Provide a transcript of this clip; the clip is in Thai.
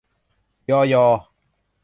ญอ ยอ